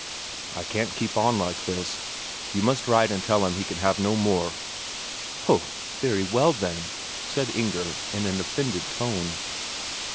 "I can't keep, on like this; you must write and tell him he can have no more." "Ho, very well then!" said Inger in an offended tone.